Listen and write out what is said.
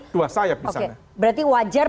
dua sayap di sana berarti wajar